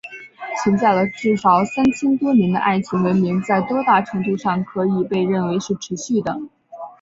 存在了至少三千多年的爱琴文明在多大程度上可以被认为是持续的？